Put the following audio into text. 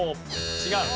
違う。